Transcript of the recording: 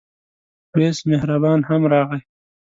وېس مهربان هم راغی.